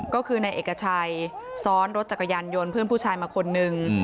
ก็คือนายเอกชัยซ้อนรถจักรยานยนต์เพื่อนผู้ชายมาคนนึง